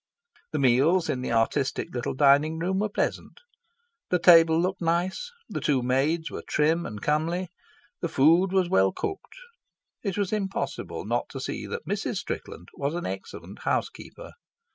The meals in the artistic little dining room were pleasant; the table looked nice, the two maids were trim and comely; the food was well cooked. It was impossible not to see that Mrs. Strickland was an excellent housekeeper.